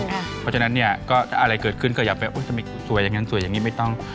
เพราะฉะนั้นเนี่ยก็ถ้าอะไรเกิดขึ้นก็อย่าไปทำไมสวยอย่างนั้นสวยอย่างนี้ไม่ต้อง